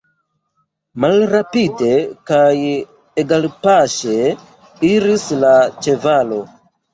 Malrapide kaj egalpaŝe iris la ĉevalo.